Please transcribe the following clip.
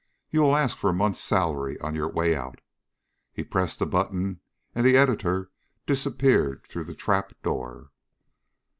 You will ask for a month's salary on your way out." He pressed a button and the editor disappeared through the trap door.